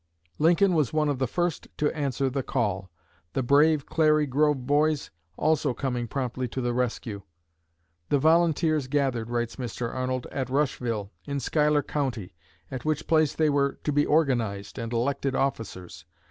Lincoln was one of the first to answer the call, the brave "Clary Grove Boys" also coming promptly to the rescue. "The volunteers gathered," writes Mr. Arnold, "at Rushville, in Schuyler County, at which place they were to be organized, and elected officers.